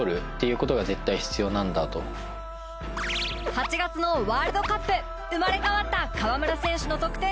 ８月のワールドカップ生まれ変わった河村選手の得点に注目っシュ！